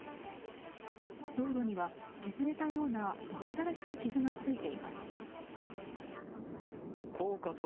道路には削れたような真新しい傷がついています。